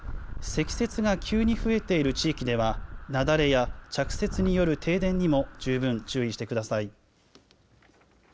積雪が急に増えている地域では雪崩や着雪による停電にも十分注意してください。